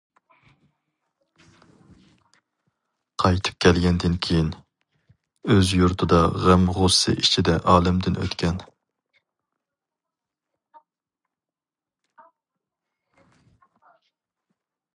قايتىپ كەلگەندىن كېيىن، ئۆز يۇرتىدا غەم-غۇسسە ئىچىدە ئالەمدىن ئۆتكەن.